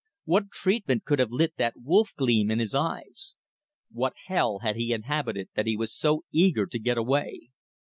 What treatment could have lit that wolf gleam in his eyes? What hell had he inhabited that he was so eager to get away?